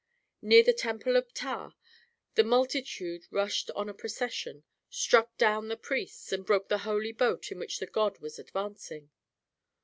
Near the temple of Ptah the multitude rushed on a procession, struck down the priests, and broke the holy boat in which the god was advancing.